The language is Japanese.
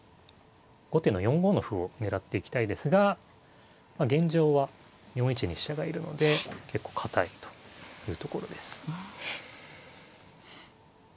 後手の４五の歩を狙っていきたいですが現状は４一に飛車がいるので結構堅いというところです。